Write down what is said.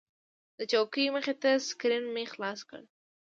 د چوکۍ مخې ته سکرین مې خلاص کړ.